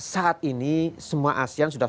saat ini semua asean sudah